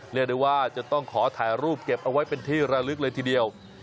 เรียกได้ว่าจะต้องขอถ่ายรูปเก็บเอาไว้เป็นที่ระลึกเลยทีเดียว